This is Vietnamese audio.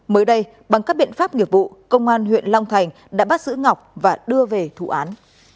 mới đây bằng các biện pháp nghiệp vụ công an huyện long thành đã bắt giữ ngọc và đưa về thủ án